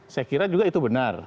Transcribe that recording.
saya kira juga itu benar